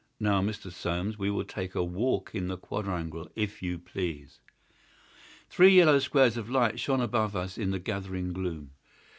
Now, Mr. Soames, we will take a walk in the quadrangle, if you please." Three yellow squares of light shone above us in the gathering gloom.